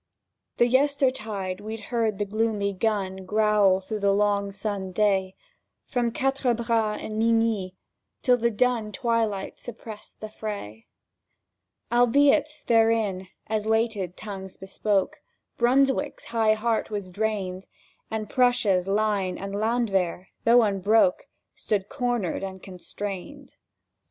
The yestertide we'd heard the gloomy gun Growl through the long sunned day From Quatre Bras and Ligny; till the dun Twilight suppressed the fray; Albeit therein—as lated tongues bespoke— Brunswick's high heart was drained, And Prussia's Line and Landwehr, though unbroke, Stood cornered and constrained.